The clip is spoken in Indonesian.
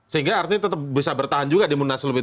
sehingga artinya tetap bisa bertahan juga dimunaslub itu